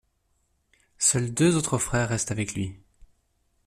Seuls deux autres frères restent avec lui.